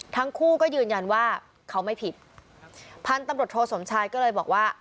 ทั้งคู่ก็ยืนยันว่าเขาไม่ผิดพันธุ์ตำรวจโทสมชายก็เลยบอกว่า